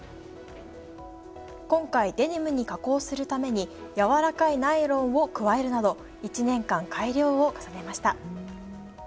今回、デニムに加工するために、やわらかいナイロンを加えるなど、１年間改良を重ねました。